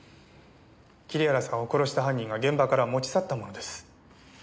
桐原さんを殺した犯人が現場から持ち去ったものです。